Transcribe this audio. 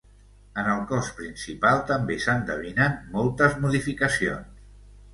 En el cos principal també s'endevinen moltes modificacions.